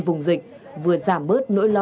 vùng dịch vừa giảm bớt nỗi lo